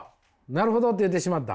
「なるほど」って言ってしまった。